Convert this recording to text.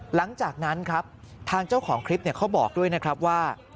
หลังจากนั้นครับทางเจ้าของคลิปเขาบอกด้วยนะครับว่า